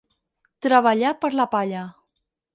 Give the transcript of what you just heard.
Treballar per la palla.